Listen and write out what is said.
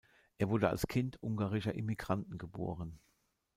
Er wurde als Kind ungarischer Immigranten geboren.